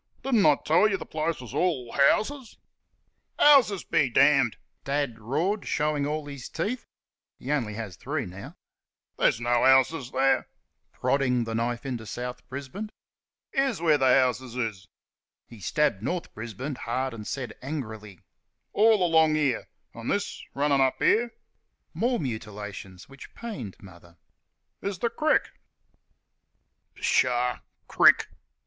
Don't I tell y' th' place is all houses!" "Houses be d d!" Dad roared, showing all his teeth (he only has three now), "there's no houses there" (prodding the knife into South Brisbane). "Here's where th' houses is" (he stabbed North Brisbane hard and angrily), "all along here. ... And this, runnin' up here" (more mutilations which pained Mother), "is th' crick." "Pshaw! Crick!